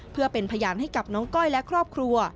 เพื่อเป็นพยานให้กับน้องก้อยและครอบครัว